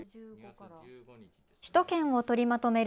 首都圏を取りまとめる